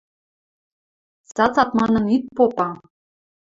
Цацат манын ит попы.